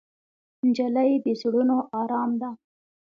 نجلۍ د زړونو ارام ده.